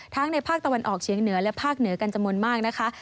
ในภาคตะวันออกเฉียงเหนือและภาคเหนือกันจำนวนมากนะคะ